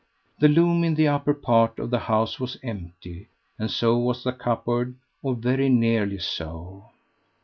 The loom in the upper part of the house was empty, and so was the cupboard, or very nearly so.